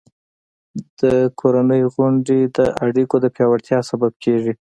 د کورنۍ غونډې د اړیکو د پیاوړتیا سبب کېږي.